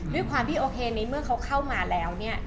ด้วยความที่พี่โอเคเมื่อเขาเข้ามาแล้ว